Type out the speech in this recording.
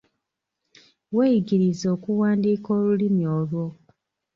Weeyigirize okuwandiika olulimi olwo.